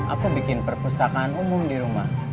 aku bikin perpustakaan umum di rumah